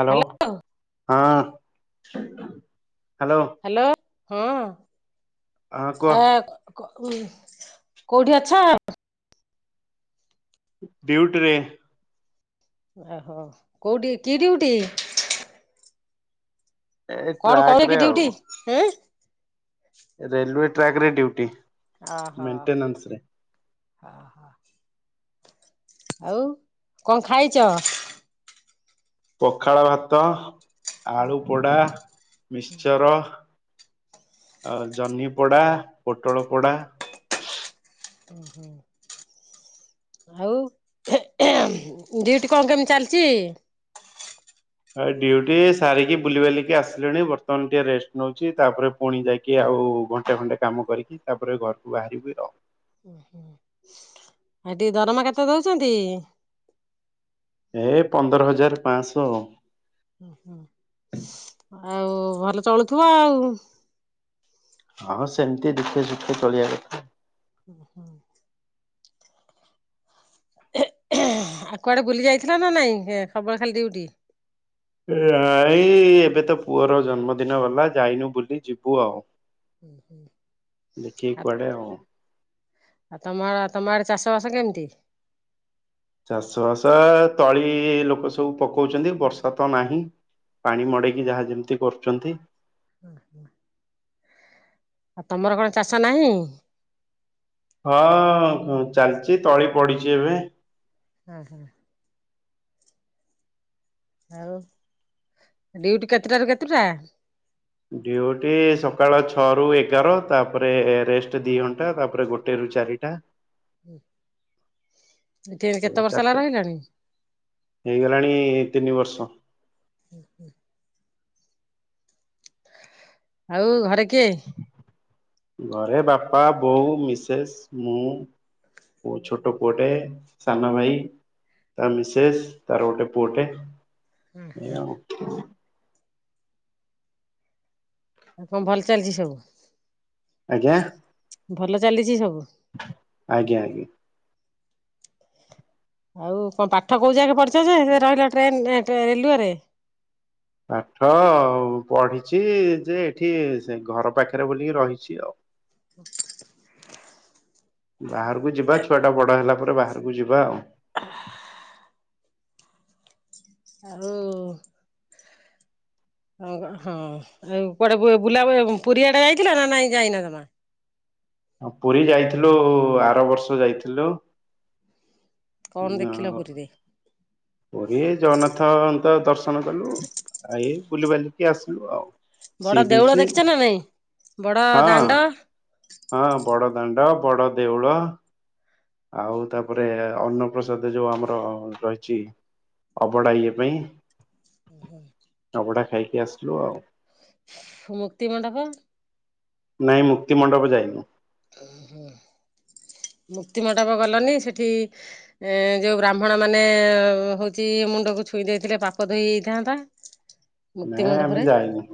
Hello, hello ହଁ hello ହଁ-ଅଁ, କୁହ [inaudible] ଆ କ-କ [inaudible] କୋଉଠି ଅଛ? ଡୀଉଟିରେ। ଆହୋ, କୋଉଠି କି ଡିଉଟି? ଏ କଣ ଟ୍ରାକରେ କରିକି ଡିଉଟି ଆଉ ଆଁ? ରେଲୱେ ଟ୍ରାକ୍ ରେ ଡ୍ୟୁଟି, ମେଣ୍ଟେନାନ୍ସ ରେ। ଆ ହ [inaudible] ଆଉ କଅ ଖାଇଛ? ପଖାଳ ଭାତ, ଆଳୁ ପୋଡା, ମିକ୍ସଚର। [inaudible] ଆ ଜହ୍ନି ପୋଡା, ପୋଟଳ ପୋଡା। ହୁଁ ହୁଁ। ଆଉ ହେଁ ହେଁ, ଡିଉଟି କଅ କେମତି ଚାଲଚି? ଏଇ ଡ୍ୟୁଟି ସାରିକି ବୁଲି ବାଲିକି ଆସିଲିଣି, ବର୍ତ୍ତମାନ ଟିକେ ରେଷ୍ଟ ନୋଉଚି। ତାପରେ ପୁଣି ଯାଇକି ଆଉ ଆଉ ଘଣ୍ଟେ ଖଣ୍ଡେ କାମ କରିକି, ତାପରେ ଘରକୁ ବାହାରିବି ଆଉ। ହୁଁ, [inaudible] ହେଟି ଦରମା କେତେ ଦୋଉଚନ୍ତି? ଏଇ ପନ୍ଦର ହଜାର ପାଶହ ଆଉ। ଉଁ ହୁଁ, [inaudible] ଆଉ ଭଲ ଚଳୁଥୁବ ଆଉ? ହଁ ସେମିତି ଦୁଃଖେ ସୁଖେ ଚଳିବା କଥା। ହୁ ହୁଁ ଆଉ କୁଆଡେ ବୁଲି ଯାଇଥିଲା ନା ନାଇଁ ସବୁବେଳେ ଖାଲି ଡିଉଟି। ନାଇ ଏବେ ତ ପୁଅର ଜନ୍ମଦିନ ଗଲା ଯାଇନୁ ବୁଲି ଯିବୁ ଆଉ ଦେଖିକି କୁଆଡେ ଆଉ ଆ ତମର ତମ ଆଡେ ଚାଷ ବାସ କେମିତି? ଚାଷ ବାସ ତଳି ଲୋକ ସବୁ ପକଉଛନ୍ତି ବର୍ଷା ତ ନାହିଁ। ପାଣି ମଡେଇକି ଯାହା ଯେମିତି କରୁଛନ୍ତି। ହୁ ହୁଁ ଆଉ ତମର କଣ ଚାଷ ନାହିଁ? ହଁ ହ ଚାଲିଚି ତଳି ପଡିଚି ଏବେ। ଅଂ ହଁ ଆଉ ଡିଉଟି କେତେଟାରୁ କେତେଟା? ଡ୍ୟୁଟି ସକାଳ ଛଅ ରୁ ଏଗାର ତାପରେ ରେଷ୍ଟ ଦି ଘଣ୍ଟା ତାପରେ ଗୋଟେ ଚାରିଟା। ହୁଁ, ଚାରିଟା ରହିଲାଣି? ହେଇଗଲାଣି ତିନି ବର୍ଷ। ହୁ ହୁଁ, ଆଉ ଘରେ କିଏ? ଘରେ ବାପା ବୋଉ ମିସେସ୍ ମୁଁ ଓ ଛୋଟ ପୁଅଟେ ସାନ ଭାଇ। ତା ମିସେସ୍ ତାର ଗୋଟେ ପୁଅଟେ ଏଇ ଆଉ। ଆ କଣ ଭଲ ଚାଲିଛି ସବୁ। ଆଜ୍ଞା? ଭଲ ଚାଲିଛି ସବୁ। ଆଜ୍ଞା ଆଜ୍ଞା। ଆଉ କଣ ପାଠ କୋଉ ଯାକେ ପଢ଼ିଛ ଯେ ରହିଲ ଟ୍ରେନ ରେଲୱେରେ ପାଠ ପଢିଚି ଯେ ଏଠି ସେ ଘର ପାଖରେ ବୋଲିକି ରହିଛି ଆଉ। ହ ବାହାରକୁ ଯିବା ଛୁଆ ଟା ବଡ ହେଲା ପରେ ବାହାରକୁ ଯିବା ଆଉ ଆଉ ଉ ହ ହଁ ଆଉ କୁଆଡେ ବୁଲା ପୁରୀଆଡେ ଯାଇଥିଲ ନା ନାଇଁ ଯାଇନା ଜମା ହ ପୁରୀ ଯାଇଥିଲୁ ଆର ବର୍ଷ ଯାଇଥିଲୁ। କଣ ଦେଖିଲ ପୁରୀରେ? ପୁରୀ ଜଗନ୍ନାଥ ତ ଦର୍ଶନ କଲୁ ଆଇ ବୁଲିିବାଲିକି ଆସିଲୁ ଆଉ। ବଡ ଦେଉଳ ସିବିଚ ଦେଖିଛ ନା ନାଇଁ? ବଡ ହଁ ଦାଣ୍ଡ ହଁ ବଡ ଦାଣ୍ଡ ବଡ ଦେଉଳ। ଆଉ ତାପରେ ଅନ୍ନପ୍ରସାଦ ଯୋଉ ଆମର ରହିଚି ଅବଢ଼ାଇଏ ପାଇଁ ଉ ହୁଁ, ଅଭଡା ଖାଇକି ଆସିଲୁ ଆଉ। ମୁକ୍ତି ମଣ୍ଡପ? ନାଇଁ ମୁକ୍ତି ମଣ୍ଡପ ଯାଇନୁ। ଓ ହୋ, ମୁକ୍ତି ମଣ୍ଡପ ଗଲନି ସେଠି ଏଁ ଯୋଉ ବ୍ରାହ୍ମଣ ମାନେ ହଉଚି ମୁଣ୍ଡକୁ ଛୁଇଁ ଦେଇଥିଲେ ପାପ ଧୋଇହେଇଥାନ୍ତା। ନାଇଁ ଆମେ ଯାଇନୁ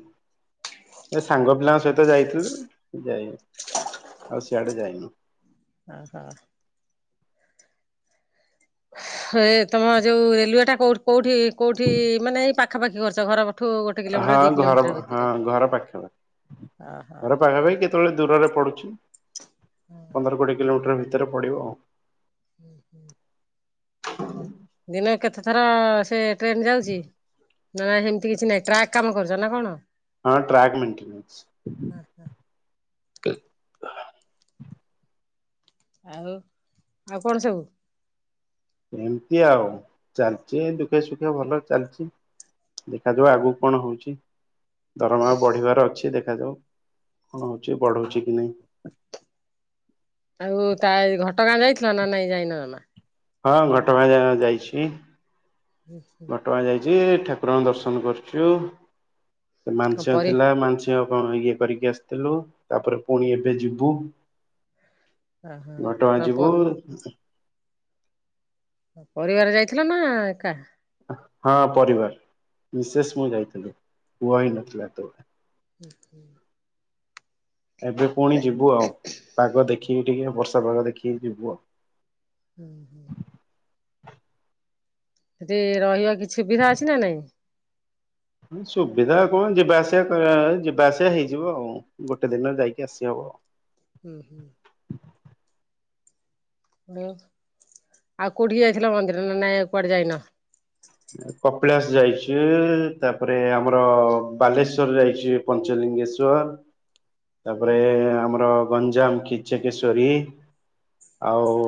ଏ ସାଙ୍ଗ ପିଲାଙ୍କ ସହି ତେ ଯାଇଥିଲୁ ଯାଇନୁ ଆଉ ସିଆଡେ ଯାଇନୁ। ଅ ହୋ, ଏ ତମ ଯୋଉ ରେଲୱେ ଟା କୋ କୋଉଠି କୋଉଠି ମାନେ ଏଇ ପାଖାପାଖି କରୁଛ ଘର ହଁ ଘର ହଁ ଘର ପାଖାପାଖି ଓହୋ। ଘର ପାଖାପାଖି କେତେବେଳେ ଦୂରରେ ପଡୁଛି ପନ୍ଦର କୋଡିଏ କିଲୋମିଟର ଭିତରେ ପଡିବ ଆଉ। ହୁଁ ହୁଁ। ଦିନେ କେତେ ଥର ସେ ଟ୍ରେନ ଯାଉଛି? ନା ହେମିତି କିଛି ନାଇଁ ଟ୍ରାକ୍ କାମ କରୁଛ ନା କଣ? ହଁ ଟ୍ରାକ୍ ମେଣ୍ଟେନସ। ଆଉ ଆଉ କଣ ସବୁ? ଏମିତି ଆଉ ଚାଲିଚି ଏ ଦୁଃଖ ସୁଖେ ଭଲରେ ଚାଲିଛି। ଦେଖାଯିବ ଆଗକୁ କଣ ହଉଛି? ଦରମା ବଢିବାର ଅଛି ଦେଖାଯାଉ କଣ ହଉଛି ବଢଉଛି କି ନାହିଁ? ଆଉ ତା ଏ ଘଟଗାଁ ଯାଇଥିଲ ନା ନାଇଁ ଯାଇନ ଜମା? ହଁ ଘଟଗାଁ ଯାଇଛି। ହୁଁ ହୁଁ। ଆଜି ଠାକୁରଙ୍କ ଦର୍ଶନ କରୁଛୁ ମାଂସିକ ପରି ଥିଲା ମାଂସିକ କଣ ଇଏ କରିକି ଆସିଥିଲୁ ତାପରେ ପୁଣି ଏବେ ଯିବୁ। ଘଟଗାଁ ଯିବୁ। ପରିବାର ଯାଇଥିଲ ନା ଏକା? ହଁ ପରିବାର ମିଶେଷ ମୁଁ ଯାଇଥିଲୁ ପୁଅ ହେଇ ନଥିଲା ହେତେବେଳେ। ହୁଁ ହୁଁ। ଏବେ ପୁଣି ଯିବୁ ଆଉ ପାଗ ଦେଖିକି ଟିକେ ବର୍ଷା ପାଗ ଦେଖିକି ଯିବୁ ଆଉ। ହୁଁ ହୁଁ ସେଠି ରହିବା କିଛି ସୁବିଧା ଅଛି ନା ନାଇଁ? ସୁବିଧା କଣ ଯିବା ଆସିବା କରିବା ଯିବାଆସିବା ହେଇଯିବ ଆଉ ଗୋଟେ ଦିନରେ ଯାଇକି ଆସିିହବ। ହୁଁ ହୁଁ। ଆଉ କୋଉଠି ଯାଇଥିଲା ମନ୍ଦିର ନା ନାଇଁ କୁଆଡେ ଯାଇନ? କପିଳାସ ଯାଇଛୁ ତାପରେ ଆମର ବାଲେଶ୍ଵ ଯାଇଛି ପଞ୍ଚଲିଙ୍ଗେଶ୍ଵର ତାପରେ ଆମର ଗଞ୍ଜାମ କିଚେକିସ୍ଵରୀ। ଆଉ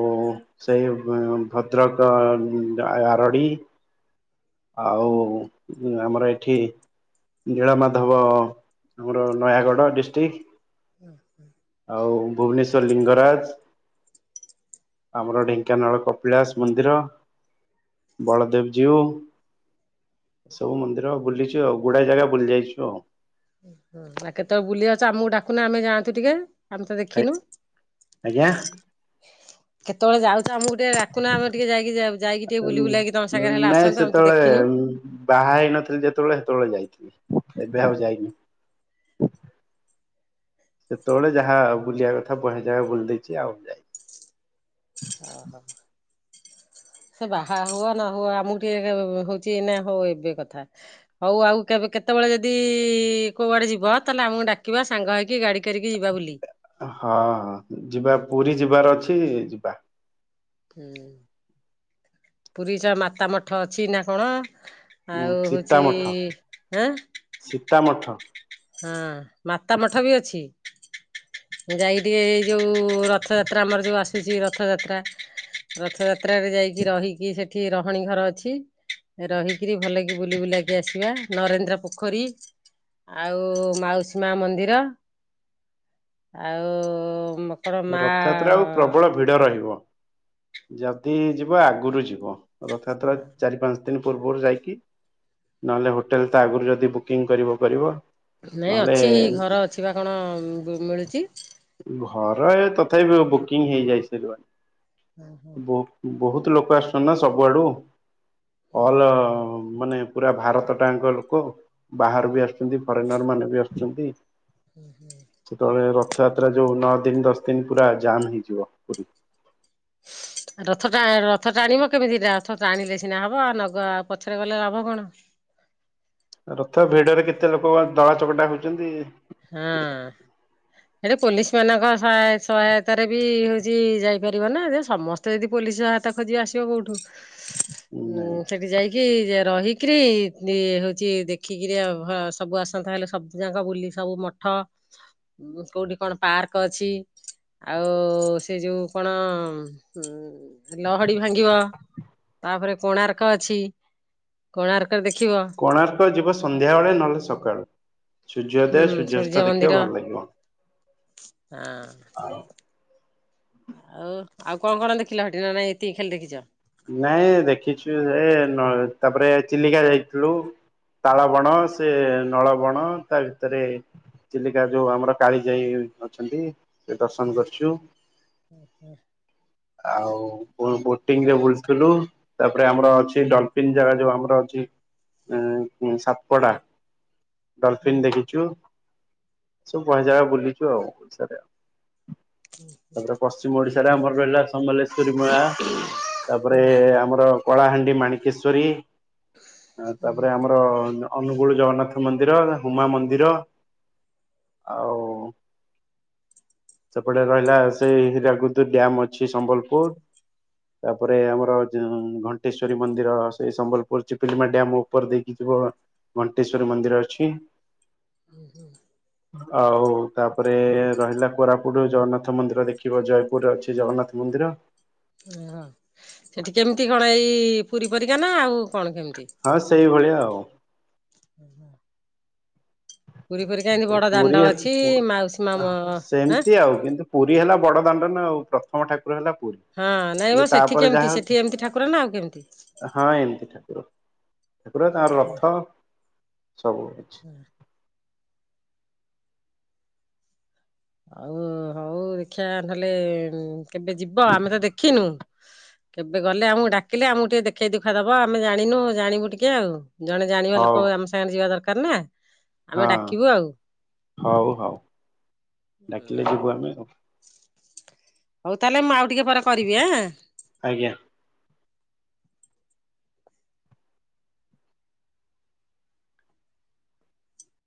ସେଇ ଭଦ୍ରକ ଆରଡ଼ି। ଆଉ ଆମର ଏଇଠି ନୀଳ ମାଧବ ଆମର ନୟାଗଡ଼ ଡିଷ୍ଟିକ୍। ହୁଁ ହୁଁ। ଆଉ ଭୁବନେଶ୍ୱର ଲିଙ୍ଗରାଜ। ଆମର ଢେଙ୍କାନାଳ କପିଳାସ ମନ୍ଦିର। ବଳଦେବ ଯିଉଁ। ସବୁ ମନ୍ଦିର ବୁଲିଛୁ ଆଉ ଗୁଡାଏ ଜାଗା ବୁଲି ଯାଇଛୁ ଆଉ। ହଁ ଆଉ କେତେବେଳେ ବୁଲିିଯାଉଛ ଆମକୁ ଡାକୁନ ଆମେ ଯାଆନ୍ତୁ ଟିକେ? ଆମେ ତ ଦେଖିନୁ। ଆଜ୍ଞା? କେତେବେଳେ ଯାଉ ତ ଆମକୁ ଟିକେଡାକୁୁନା ଆମେ ଟିକେ ଯାଇକି ଯାଇକି ଟିକେ ବୁଲି ବୁଲେଇକି ତମ ସାଙ୍ଗରେ ହେଲେ ନାଇଁ ଆସନ୍ତୁ ଆମେ ତ ସେତେବେଳେ ଦେଖିନୁ। ବାହା ହେଇନଥିଲି ଯେତେବେଳେ ସେତେବେଳେ ଯାଇଥିଲି ଏବେ ଆଉ ଓହୋ ଯାଇନି। ସେତେବେଳେ ଯାହା ବୁଲିବା କଥା ବହେ ଜାଗା ବୁଲି ଦେଇଛି ଆଉ ଯାଇନି। ଓ ହୋ। ସେ ବାହା ହୁଅ ନ ହୁଅ ଆମକୁ ଟିକେ ହଉଛି ନା ହଉ ଏବେ କଥା। ହଉ ଆଉ କେବେ କେତେବେଳେ ଯଦି କୋଉଆଡେ ଯିବ ତାହେଲେ ଆମକୁ ଡାକିବା ସାଙ୍ଗ ହେଇକି ଗାଡି କରିକି ଯିବା ବୁଲି। ହଁ ଯିବା ପୁରୀ ଯିବାର ଅଛି ଯିବା। ହୁଁ ପୁରୀ ଚ ମାତା ମଠ ଅଛି ନା କଣ? ଉଁ ଆଉ ହଉଛି ଆଁ? ତା ମଠ। ହଁ ମାତା ମଠ ବି ଅଛି। ଯାଇ ଟିକେ, ଏଇ ଯଉ ରଥଯାତ୍ରା, ଆମର ଯଉ ଆସୁଛି ରଥଯାତ୍ରା। ରଥଯାତ୍ରାରେ ଯାଇକି ରହିକି ସେଠି ରହଣୀ ଘର ଅଛି ରହିକିରି ଭଲ କି ବୁଲି ବୁଲାକି ଆସିବା, ନରେନ୍ଦ୍ର ପୋଖରୀ ଆଉ, ମାଉସୀ ମା ମନ୍ଦିର, ଆଉ ରଥଯାତ୍ରା ଆଉ ପ୍ରବଳ [unintelligible] ଭିଡ ରହିବ ଯଦି ଯିବ ଆଗରୁ ଯିବ, ରଥଯାତ୍ରା ଚାରି ପାଞ୍ଚ ଦିନ ପୂର୍ବରୁ ଯାଇକି, ନହେଲେ ହୋଟେଲ ତା ଆଗରୁ ଯଦି ବୁକିଂ କରିବ, କରିବ। ନାଇଁ ନହେଲେ ଅଛି, ଘର ଅଛି ବା କଣ ମିଳୁଛି। ଘର ଏ ତଥାପି ବୁକିଂ ହେଇଯାଇ ସରିବଣି। ବହୁତ ଲୋକ ଆସୁଛନ୍ତି ନା ସବୁଆଡ଼ୁ ଅଲ ମାନେ ପୁରା ଭାରତ ଟାଙ୍କ ଲୋକ, ବାହହାର ବି ଆସୁଛନ୍ତି ଫରେନର ମାନ ମାନେ ବି ଆସୁଛନ୍ତି। [inaudible] ସେତେବେଳେ ରଥଯାତ୍ରା ଯଉଁ ନଅ ଦିନ, ଦଶ ଦିନ, ପୁରା ଜାମ୍ ହେଇଯିବ ପୁରୀ ରଥ ଟା ରଥ ଟାଣିବ, କେମିତି ରଥ ଟାଣିଲେ ସିନା ହବ, ଆଉ ନଗ ପଛରେ ଗଲେ ଲାଭ କଣ? [inaudible] ରଥ ଭିଡରେ କେତେ ଲୋକ ଦଳା ଚକଟା ହଉଛନ୍ତି ହଁ ସେଠି ପୋଲିସ ମାନଙ୍କ ସହାୟତାରେ ବି ହଉଛି ଯାଇପାରିବ ନା, ଯେ ସମସ୍ତେ ଯଦି ପୋଲି [unintelligible] ଆସିବ କଉଠୁ ନାଇଁ ସେଠୀ ଯାଇକି ରହିକିରି, ହଉଛି ଦେଖିକିରି, ସବୁ ଆସନ୍ତା ହେଲେ ସବୁ ଯାକ ବୁଲି ସବୁ ମଠ, କୋଉଠି କଣ ପାର୍କ ଅଛି? ଆଉ ସେ ଯୋଉ କଣ? ଲହଡି ଭାଙ୍ଗିବ। ତାପରେ କୋଣାର୍କ ଅଛି, କୋଣାର୍କ କୋଣାର୍କ ଯିବ ସନ୍ଧ୍ୟାବେେଳେ, ନହେଲେ ସକାଳୁ ହୁଁ ସୂର୍ଯ୍ୟ ସୂର୍ଯ୍ୟ ସୂର୍ଯ୍ୟାସ୍ତ ଦେଖିବା ମନ୍ଦିର ଭଲ ଲାଗିବ। ହଁ ଆଉ ଆଉ କଣ କଣ ଦେଖିଲ ହେଟି, ନା ନାଇଁ ଏତିକି ଖାଲି ଦେଖିଛ। ନାଇଁ ଦେଖିଛୁ, ସେ ତାପରେ ଚିଲିକା ଯାଇଥିଲୁ। ତାଳବଣ ସେ ନଳବଣ, ତା ଭିତରେ ଚିଲିକା ଯୋଉ ଆମର କାଳି ଯାଇ ଅଛନ୍ତି। ସେ ଦର୍ଶନ କରଛୁ। [inaudible] ଆଉ ବୋଟିଂରେ ବ ଥିଲୁ, ତାପରେ ଆମର ଅଛି ଡ଼ଲଫିନ ଜାଗା ଯୋଉ ଆମର ଅଛି ଉ ସାତପଡ଼ା ଡଲଫିନ ଦେଖିଛୁ, ସବୁ ବହେଜାଗା ବୁଲିଛୁ ଆଉ, ଓଡ଼ିଶାରେ ଆଉ ତାପରେ ପଶ୍ଚିମ ଓଡିଶାରେ ଆମର ରହିଲା- ସମଲେଶ୍ଵରୀ ମ ତାପରେ ଆମର କଳାହାଣ୍ଡି -ମାଣିକେଶ୍ଵରୀ, ତାପରେ ଆମର ଅନୁଗୁଳ ଜଗନ୍ନାଥ ମନ୍ଦିର, ହୁମା ମନ୍ଦିର ଆଉ ସେପଟେ ରହିଲା ସେଇ ହୀରାକୁଦ ଡ୍ୟାମ ଅଛି, ସମ୍ବଲପୁର ତାପରେ ଆମର ଘଣ୍ଟେଶ୍ଵରୀ ମନ୍ଦିର, ସେ ସମ୍ବଲପୁର ଚିପଲିମା ଡ୍ୟାମ ଉପରେ ଦେଇକି ଓ ଘଣ୍ଟେଶ୍ଵରୀ ମନ୍ଦିର ଅଛି। ହୁ ହୁଁ [inaudible] ଆଉ ତାପରେ ରହିଲା କୋରାପୁଟରୁ ଜଗନ୍ନାଥ ମନ୍ଦିର ଦେଖିବ ଜୟପୁରରେ ଅଛି ଜଗନ୍ନାଥ ମନ୍ଦିର ଓହୋ ସେଠି କେମିତି କଣ? ଏଇ ପୁରୀ ପରିକା ନା ଆଉ କଣ କେମିତି? ହଁ ସେଇଭଳିଆ ଆଉ ପୁରୀ ପରିକା ଏମିତି ଏ ବଡ ଦାଣ୍ଡ ପୁରୀ ଅଛି ମାଉସୀ ମା ମ ଆଁ ସେମିତି ଆଉ କିନ୍ତୁ ପୁରୀ ହେଲା ବଡ଼ ଦାଣ୍ଡନା ଆଉ, ପ୍ରଥମ ଠାକୁ ଉପରେ ହେଲା ହଁ ନାଇଁ ପୁରୀ ମ ଇଏ ସେଠି ତାପରେ କେମିତି ଯାହା ସେଠି ହଉଚି ଏମିତି ଠାକୁର ନା ଆଉ କେମିତି? ହଁ ଏମିତି ଠାକୁର ସେପୁରା ତାର ଓହୋ ରଥ ସବୁ କିଛି। ଆଉ ହଉ ଦେଖିବା ନହେଲେ କେବେ ଯିବ ଆମେ ତ ଦେଖିନୁ। କେବେ ଗଲେ ଆମକୁ ଡାକିଲେ ଆମକୁ ଟିକେ ଦେଖେଇ ଦୁଖା ଦବ ଆମେ ଜାଣିନୁ ଜାଣିବୁ ଟିକେ ଆଉ‌। ଜଣେ ଜାଣିବା ଲୋକ ହଉ ଆମ ସାଙ୍ଗରେ ଯିବା ଦରକାର ନା। ହଁ ଆମେ ଡାକିବୁ ଆଉ। ହଉ ହଉ ଡାକିଲେ ଯିବୁ ହଉ ଆମେ ଆଉ। ହଉ ତାହେଲେ ମୁଁ ଆଉ ଟିକେ ପରେ କରିବି ଆଁ। ଆଜ୍ଞା।